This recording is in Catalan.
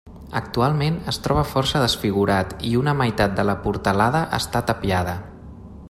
Actualment es troba força desfigurat i una meitat de la portalada està tapiada.